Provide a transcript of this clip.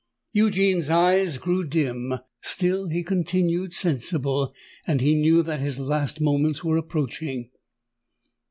Eugene's eyes grew dim—still he continued sensible; and he knew that his last moments were approaching.